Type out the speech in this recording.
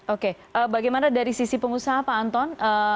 oke bagaimana dari sisi pengusaha pak anton